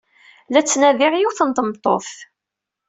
La ttnadiɣ yiwet n tmeṭṭut.